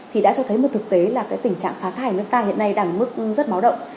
thì đã cho thấy một thực tế là tình trạng phá thai ở nước ta hiện nay đang ở mức rất báo động